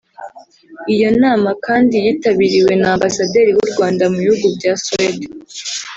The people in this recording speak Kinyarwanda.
Iyo nama kandi yitabiriwe na Ambasaderi w’u Rwanda mu bihugu bya Suède